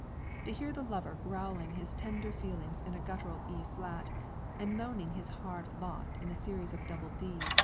To hear the lover growling his tender feelings in a gutteral E flat, and moaning his hard lot in a series of double D.'